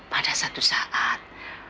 pada satu saat